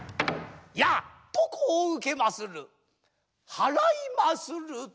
ヤッ！とこう受けまする。